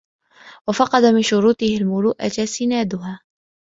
وَفَقَدَ مِنْ شُرُوطِ الْمُرُوءَةِ سِنَادَهَا